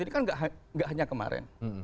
ini kan gak hanya kemarin